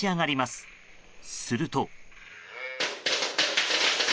すると。